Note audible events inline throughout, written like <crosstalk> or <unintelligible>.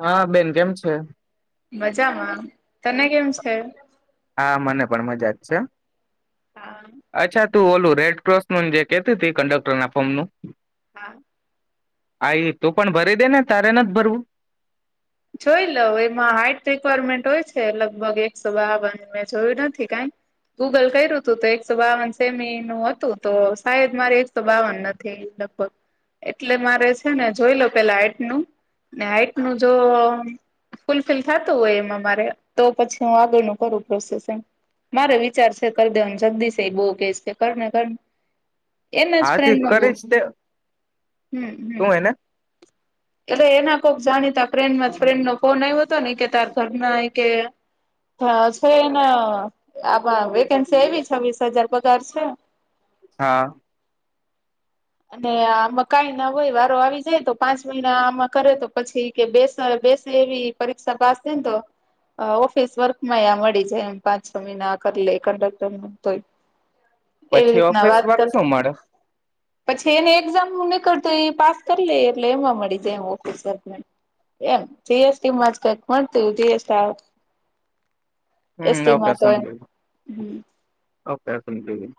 હા બેન કેમ છે છે મજામાં તને કેમ છે હા મને પણ મજા જ છે હા અચ્છા ું ઓલું રેડ ક્રોસ નું જે કતી ત કંડક્ટર ના ફોર્મ નું હા આઈ તું પણ ભરી દે ને તારે ન જ ભરવું જોઈ લઉ એમાં હાઈટ રિક્વાયરમેન્ટ હોય છે લગભગ એક સો બાવન મેં જોયું નથી કઈ ગૂગલ કર્યું હતું તો એક સો બાવન સેમી નું હતું તો સાાયદ મારે એક સો બાવન નથી લગભગ એટલે મારે છે ને જોઈ લઉ પેલા હાઈઇટ નું ને હાઈટ નું જો ફુલફિલ થતું હોય એમાં મારે તો પછી હું આગળનું કરું પ્રોસેસ મારે વિચાર છે કરી દે જગદીશ બો કેશ કે કરને કર હાથી કરી જ તે હમ હમ શું હય ને એટલે એના કોક જાણીતા ફન્ડમાં ફ્રેન્ડ નો ફોન આવ્યો હતો ને કે તાર ઘરના કે છે એના આમાં વેકેન્સી આવી છેસ હજાર પગાર છે હા અને આમાં કઈ ના હોય વારો આવી જાય તો પાંચ મહિના આમાં કરે તો પછી કે બે બેસે એવી પરીક્ષા પાસ થઈ ને તો ઓફિસ વર્ક માં મળી જાય એમ પાંચ છ મહિના કરી લે કંડક્ટર તોય એવી પછી રીતના ઓફિસ વાત વર્ક કર શો મળે પછી એની એક્ઝામ હું નીકળત એ પાસ કરી લઈ એટલે એમાં મળી જાયમ ઓફિસ વક એમ જીએસટીમાં જ કક મળતું હમ જીએટી ઓકે એમાં તો હોય સમજી હમ ઓકે ઓ <inaudible>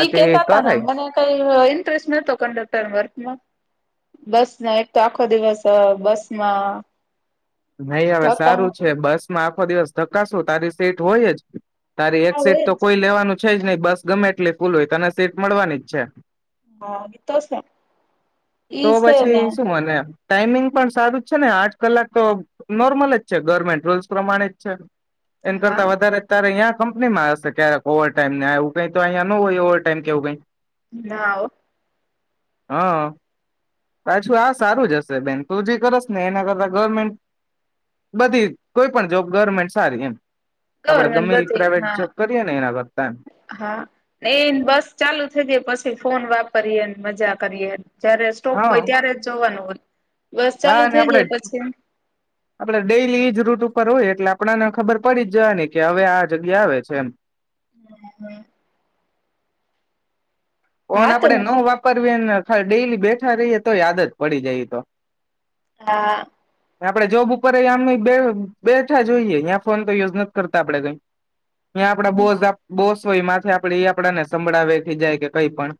ઈ કેતા તા ને મને કંઈ અ ઇન્ટરેસ્ટ નતો કંડક્ટર વર્કમાં બસને એક તો આખો દિવસ બસમાં નહીં હવે ધક્કા સારું છે મુકી બસમાં આખો દિવસ ધકાસું તારી સીટ હોય જ. તારી એક હા સીટ તો હોય જ કોઈ લેવાનું છે જ નહી બસ ગમે એટલી ફૂલ હોય તને સીટ મળવાની જ છે. હા ઈ તો સે તો ઈ સે પછી ને શું મને ટાઈમિંગ પણ સારું જ છે ને આઠ કલાક તો નોર્મલ જ છે. ગવર્મેન્ટ રુલ્સ પ્રમાણે જ છે. એન હા કરતાં વધારે તારે યા કંપનીમાં હશે ક્યારેક ઓવરટાઈમ ને એવું કાઈ તો અહીંયા ન હોય, ઓવરટાઈમ કે એવું કાઈ ના હો, હહ પાછું આ સારું જ હશે બેન તું જે કરશને એના કરતાં ગવર્મેન્ટ બધી કોઈ પણ જોબ ગવર્મેન્ટ સારી એમ આપડે ગવર્મેન્ટ ગમે એ બધી પ્રાઇવેટ જોબ કરીએ ને એના કરતા એમ હા હા એ બસ ચાલુ થઈ જાય પછી ફોન વાપરીએને મજા કરીએ ન જયારે સ્ટોપ હા હોય ત્યારે જ જોવાનું હોય. બસ ચાલુ હા ને થઈ આપણે ગઈ પછી આપણે ડેલી ઈ જ રૂટ ઉપ ર હોય એટલે આપણને ખબર પડી જ જવાની કે હવે આ જગ્યા આવે છે, એમ હમ્મ ફોન હા તો આપડે નો વાપર ઈ બેન ખાલી ડેઈલી બેઠા રહીએ તોય આદત પડી જાય ઈ તો હા ને આપણે જોબ ઉપર એ આમ બે બેઠા જ હોઇએ યા ફોન તો યુઝ નથી કરતા આપણેે કઈ ન્યા આપણા બોઝ આપ બોઝ હોય માથે આપણે ઈ આપણને સંભળાવે, ખીજાય કે કંઈ પણ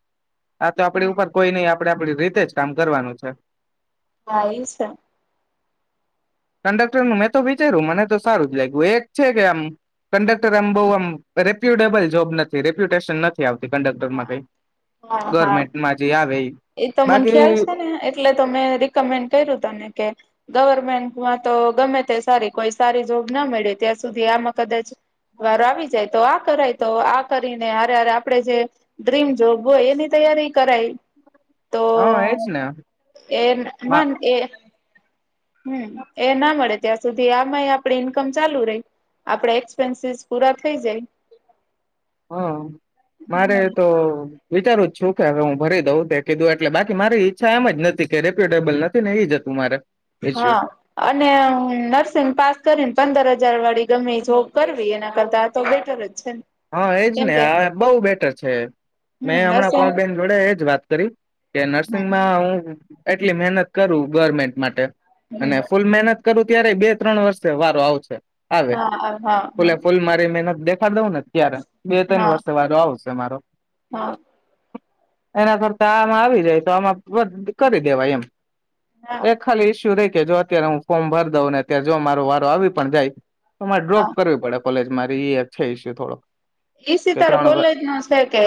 આ તો આપડી ઉપર કોઈ નઈ આપ આપણે આપણી રીતે જ કામ કરવાનું છે. હા એ છે કંડક્ટરનું મેં તો વિચાર્યું મને તો સારું જ લાગ્યું. એક છે કે આમ કંડક્ટર આમ બહુ આમ રેપ્યુટેબલ જોબ નથી રેપ્યુટેશન નથ થી આવતી હા કંડક્ટરમાં કંઇ હા હા એતો મને બાકી ખ્યાલ છે ને એટલે તો મેં રિકમેન્ડ કર્યું તને કે ગવર્મેન્ટમાં તો ગમે તે સારી કોઈ સારી જોબ ના મળે ત્યાં સુધી આમાં કદાચ વારો આવી જાય તો આ કરાય તો આ કરીને હારે હારે આપણે જે ડ્રીમ જોબ હોય એની તૈયારી કરાય. તો હા એજ ને એ હા મન એ હમ્મ, એ ના મળે ત્યાં સુધી આમાંય આપડે ઈન્કમ ચાલુ રયે. આપડા એક્સપેન્સીસ પૂરા થઈ જાય. હા. મારે તો વિચારવુ શું કે હવે હું ભરી દઉં તે કીધું એટલે. બાકી મારી ઈચ્છા એમ જ નથી કે રેપ્યુટેબલ નથી ને એઈ હતું મારે ઇસ્યુ હા અને નર્સિંગ પાસ કરીને પંદર હજ જાર વાળી ગમે જો કરવી એના કરતા તો બેટર જ છે ને હા એજ કેમ ને કે આ બઉ બેટર છે. હમ મેં હમણાં નર્સિંગ કોલ બેેન જોડે એજ વાત કરી કે હમ નર્સિંગમાં હું એટલી મહેનત કરું ગવર્મેન્ટ માટે અને હમ ફૂલ મહેનત કરું ત્યારે બે ત્રણ વર્ષે વારો આવશે આવે હા હા હા ફૂલે ફૂલ મારી મેનત દેખાડ દઉને ત્યારે, બે ત્રણ હા વર્ષ વાળો આવશે મારો હા. એના કરતા આમાં આવી જાય તો આમાં <unintelligible> કરી દેવાય એમ હા એ ખાલી ઈસુ રે કે જો અત્યારે હું ફોર્મ ભર દઉં ને અત્યારે જો મારો વારો આવી પણ જાય તો મારે ડ્રોપ હા કરવી પડે. કોલેજ મારી એછે ઈસુ થોડક ઈ સિતારો કોલેજ મા છે કે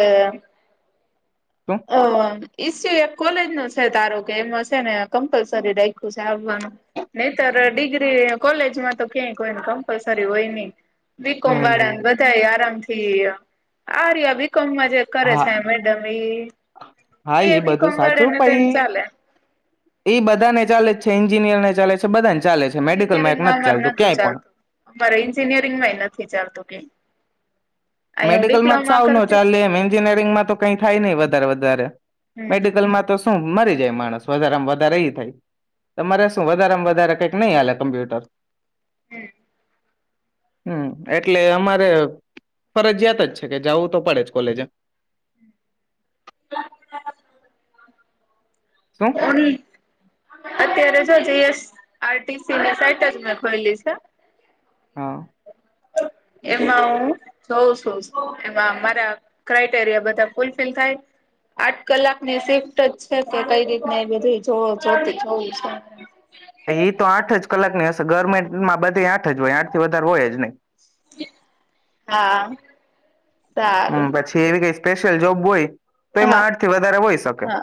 શું અહ ઇસ્યુ એક કોલેજનો છે તારો એમ હશે ને કમ્પલસરી રાખ્યું છે આવવાનું, નહીતર ડિગ્રી કોલેજમાં તો ક્યાંય કોઈને કમ્પલસરી હોય નહી બીકોમ નહી નહી વાળા ને બધા આરામ થ ઠી આ રહ્યા બી કમ માં જે કરે હા છે મેડમ ઇ હા. એ બધું સાચું પ ઇ ચાલે એ બધા ને ચાલે છે. એન્જિનિયર ને ચાલે છે. બધા એન્જિનિયરિંગમાં અમાર નથી ચાલતું. મારે એન્જિનિયરિંગ માં નથી ચાલતું કે અહી હું મેડિકલમાં જ ડિપ્લોમા સાવ ન કરતી ચાલે એમ એન્જિનિયરિંગમાં તો કઈ થાય નહી વધારે વધારે. હમ મેડિકલમાં તો શું મરી જાય માણસ. વધારેામાં વધારે ઈ થાય તમારે શું વધારેામાં વધારે કઈક નહી હાલે કમ્પ્યુટર. હમ્મ. હમ્મ. એટલે અમારે ફરજિયાત જ છે કે જવું તો પડે જ કોલેજ એમ. <inaudible> શું ઓની અત્યારેજ જ જે એસ આર ટી સી ની સાઈટ જ મેં ખોલી છે. હા. એમાં હું જોઉં છું. એમાં મારા ક્રાઈટેરિયા બધા ફુલફિલ થાય આઠ કલાકની સિફ્ટ જ છે કે કઈ રીત એ બધી જોતી જઉં છું. એ તો આઠ જ કલાક ને હશ સ ગવર્મેન્ટમાં બધી આઠ જ હોય આઠ થી વધારે હોય જ નહી. હા સારું. સ્પેશિલ જોબ બોય હા હા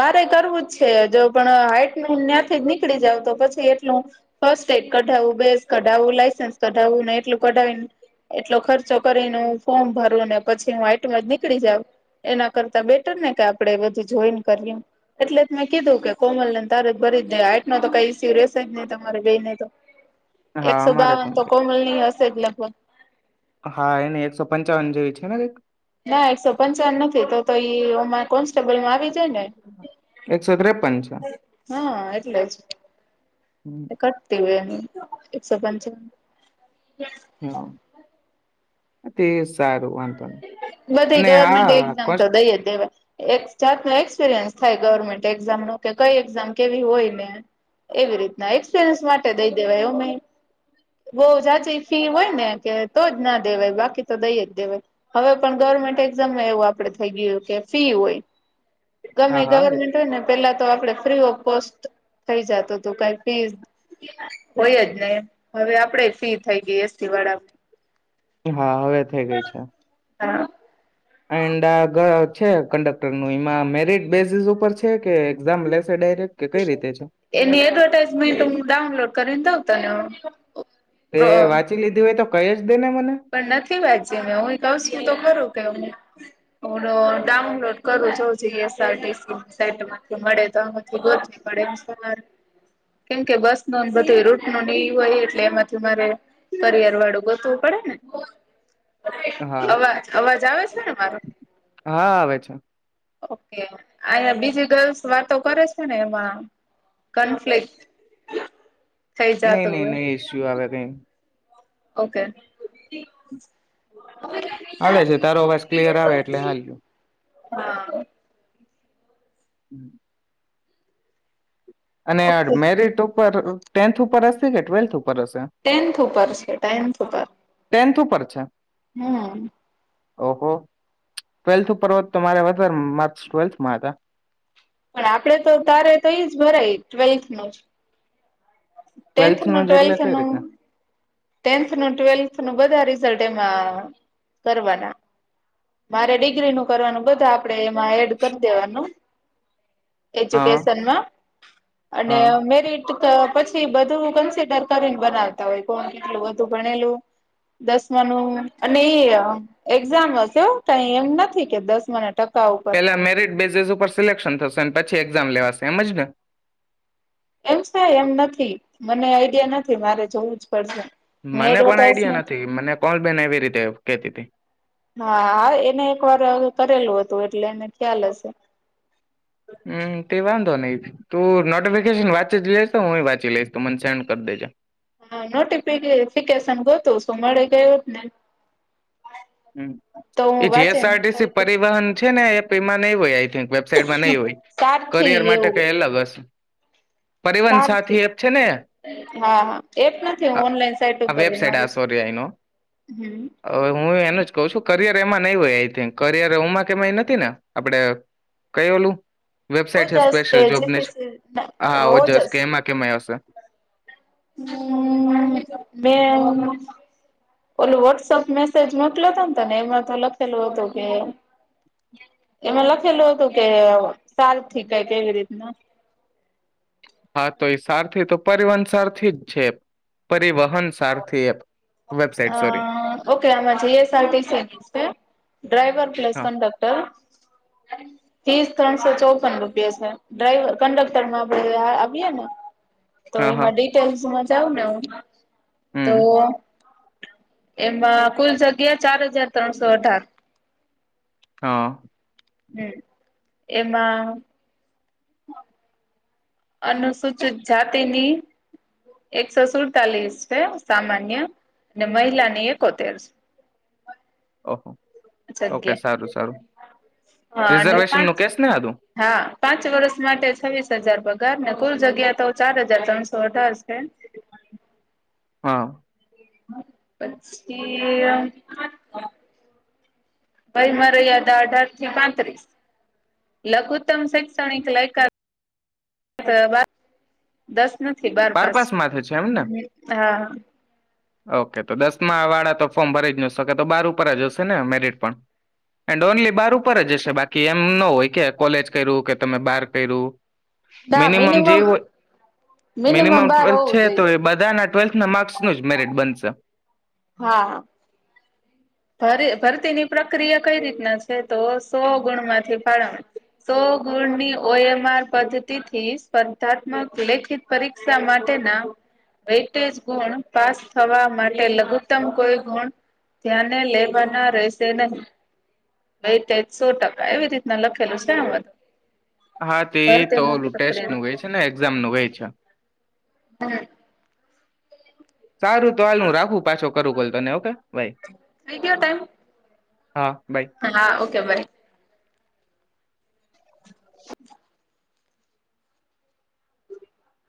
મારે કરવું જ છે જો પણ હાઈટ ન્યત ફી નીકળી જાવ તો પછી એટલું ફસ્ટ એડ કઢાવું બેઝ કઢાવું લાયસન્સ કઢાવું ને એટલું કઢાવીને એટલો ખર્ચો કરીને ફોર્મ ભરું ને પછી હું આઈટમાં જ નીકળી જઉ એના કરતા બેટર ને કે આપણેે બધું જોઈન ક. રી એટલે જ મેં કીધું કે કોમલને તારજ ભરી જ આઈટ ન તો કઈ સિરિયસ જ નહી તમારે બે ને તો. હા એકસો અમારે બાવન તો નહી. કોમલ ની હશે એટલે. વહ હા એને એકસો પંસોવન જેવી છે ને કઈક. ના એકસો પંચાન નથી તો તો ઈમાં કોન્સ્ટેબલમાં આવી જાએ ને. એકસો ત્રેપન છે હા એટલે જ એ કટતી હોય એનું. એકસો પંચાવન. હા તેસ બધી ગવમેન્ટ હા એક્ઝામ કોસ તો દઈએ દેવા. એક સ્ટાર્ટ નો એક્સપિરિયન્સ થાય ગવર્મેન્ટ એક્ઝામ નું કે કઈ એક્ઝામ કેવી હોય ને એવી રીતના એક્સપિરિયન્સ માટે દઈ દેવાય અમે બહુ જાચી ફી હોય ને કે તો જ ના દેવાય બાકી તો દઈએ દેવાય. હવે પણ ગવર્મેન્ટ એક્ઝામમાં એવું આપડે થઈ ગયું કે ફી હોય. ગમે હા હા ગવર્મેન્ટ હોય ને પેલા તો આપણે ફ્રી ઓફ કોસ્ટ થઈ જતો તો કઈ ફીસ હોય જ નહી હવે આપણેે ફી થઈ ગઈ એસ સી વાળા ઓની. હા હવે થઇ ગઈ છે. હા. એન્ડ આગત છે કન્ડક્ટર નું એમાં મેરિટ બેસેસ ઉપર છે કે એક્ઝામ લેસ એની એડવર્ટાઈઝમેન્ટ હું ડાઉનલોડ કરીને દઉં તને હો. <inaudible> એ વાંચી લીધી હોય તો કઈ અજ પણ નથી વાચ્યું મે હું કશું તો ખરું કે હું હું ડો ડાઉનલોડ કરું જો જે એસ આર ટી સી સાઈટમાંથી મળે તો આમાંથી ગોતવી પડેરે કેમકે બસ નો બધ રૂટ નો ન હોય એટલે એમાંથી મારે કરિયર વાળું ગોતવું પડે ને? હા <inaudible> અવાજ અવાજ આવે છે ને મારો હા આવે છે ઓકે અયા બીજી દસ વાતો કરે છે ને એમાં કન્ફ્લિક નહી નહી નહી એસ્યુ આવે કઈ ઓકે હ હાલે છે તારો અવાજ ક્લિયર આવે એટલે હાલયો હા હમ ઓકે અનેડમેરીટ ઉપ ટેન્થ ઉપર હશે કે ટ્વેલ્થ ઉપર હશે ટેન્થ ઉપર છે ટેન્થ ઉપર પર છે હમ ઓહો ટ્વેલ્થ ઉપર હો તો મારે વધારે માર્ચ ટ્વેલ્થમાં હતા પણ આપડે તો તારે તો એજ ભરાય ટ્વેલ્થ ન ટેન્થ ટ્વેલ્થ નું જ એટલે ટ્વેલ્થ કઈ નું રીતના ટેન્થ નું ટ્વેલ્થ નું બધા ર કરવાના મારે ડિગ્રી નું કરવાનું બધું આપડે એમાં એડ કરી દેવાનું હા એજ્યુકેશનમાં અને હા મેરિટ તો પછી બધું કન્સિડર કરીને બનાવતા હોય કોણ કેટલું બધું ભણેલું દસમા નું અને એ એક્ઝામ હશે કઈ એમ નથી કે દસમા ના ટ પેલા મેરીિટ બેઝિસ ઉપર સિલેક્શન થશે પછી એક્ઝામ લેવાશે તેમજ ને એમ થ એમ નથી મને આઈડિયા નથી મારે જોવું જ મને પણ આઈડિયા નથી મને કોલ બેન એવી રીતે કેતી હતી હાા એને એક વાર હ કરેલું હતું તો એટલે એને ખ્યાલ હશે હમ તે વાંધો નહીિ તું નોટિફિકેશન વાંચી જ લઈસ હું વાંચી લઈશ મને સેન્ડ કરી દેજે હા નોટિફફિકેશન ગતું શું મળી ગયું ને હ તો હું એ વાંચે જેએસઆરટીસી પરિવહન છે ને પેમામાં ન હોય આ વેબસાાઈટમાં નહી હોય સારથી કરિયર માટે એવું કઈ અલગ હશે પરિવહન હા સાથી એપ છે ને હા એપ નથી ઓનલાઈન સાઈટ આ ઉપર વેબસાઇટ આ મારું સોરી આઈનો હમ ક છું કરિયર એમાં નહી હોય આઈ થિક કરિયર હમાં કેય નથી ને આપડે કય ઓલું વેબસાાઈટ છે ઓજસ કે સ્પેશિયલ જોબની જ જીપીસી હા ઓ જસ કે એમાં કેમય હશે મે ઓલું વોટ્સપ મેસેજ મોકલ હતો ને તોને એમાં તો લખેલું હતું કે એમાં લખેલું હતું કે સારથી કઈ કેવી રીતના હા તો એ સારથી તો પરિવહન સારથી જ છે પરિવહન સારથી એ અ ઓકે આમાં જીએસઆરટી છે ડ્રાઈવર પ્લસ હા કન્ડક્ટર ત્રીસ ત્રણસો ચોપન રૂપિયા છે ડ્રાઈવર કંડક્ટરમાં આપણે આપીએ ને. તો હા હા એમાં ડિટેલ્સ જાઉને હું. હમ તો એમાં કુલ જગ્યા ચાર હજાર ત્રણસો અઢાર. હા. હમ, એમાં અનુસૂચિત જાતિની એકસો સુડતાલીસ છે સામાન્ય અને મહિલાની એકોતેર છે. ઓહો. ઓકે સારું જગ્યા. સારું હા અને રિઝર્વેશન પાંચ નું કેસ ને હતું હા, પાંચ વર્ષ માટે છવ્વીસ દસ હજાર પગારને કુલ જગ્યા તો ચાર હજાર ત્રણસો અઠાર છે. હા. પછી ભાઈ વય મર્યાદા છે અઢાર થી પાંત્રીસ લઘુતમ શૈક્ષણિક લાયકાત દસ નથી બાર પાસ માથે છે એમ ને હા. ઓકે, તો દસમા વાળા તો ફોર્મ ભરી જ ન શકે તો બાર ઉપર જશે ને મેરિટ પણ એન્ડ ઓનલી બાર ઉપર જસ્ટ બાકી એમ ન હોય કે કોલેજ કર્યું કે તમે બાર કર્યું. મિનિમમ જે હોય, મિનિમમ બાર ટવે હોવું છે તો જોઈએ એ બધા ટ્વેલ્થ ના માર્ક્સ મેરિટ બનશે. હા. ભરતીની પ્રક્રિયા કઈ રીતના છે, તો સો ગુણમાંથી ફળ સો ગુણની ઓએમ આર પદ્ધતિથી સ્પર્ધાત્મક લેખિત પરીક્ષા માટેના વટેજ ગુણ પાસ થવા માટે લઘુત્તમ કોઈ ગુણ ધ્યાન ને લેવાના રહેશે નહી. ભાઈ સો ટકા એવી રીતના લખેલું છે. આમાતો હા, તે તો ઓલું ટેસ્ટનું ગઈ છે ને એક્ઝામ નું ગઈ છે. હમ. સારું તો હાલનું રાખું પાછો કરું બલ તને ઓકે ભાઈ. થઈ ગયો ટાઈમ હા, ઓકે વરી